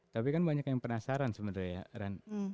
tapi kan banyak yang penasaran sebenarnya ya ran